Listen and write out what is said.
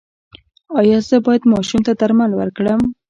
ایا زه باید ماشوم ته درمل ورکړم؟